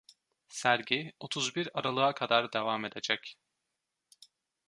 Sergi otuz bir Aralık'a kadar devam edecek.